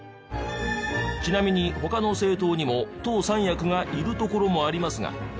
ちなみに他の政党にも党三役がいるところもありますが。